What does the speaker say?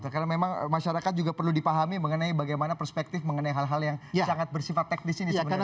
karena memang masyarakat juga perlu dipahami mengenai bagaimana perspektif mengenai hal hal yang sangat bersifat teknis ini sebenarnya